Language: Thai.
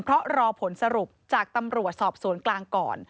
เพราะรอผลสรุปจากตำรวจสอบสวนกลางก่อน